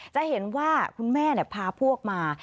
จะเห็นว่าคุณแม่พาพวกมา